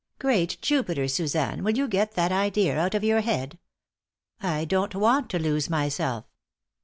"Great Jupiter, Suzanne, will you get that idea out of your head? I don't want to lose myself.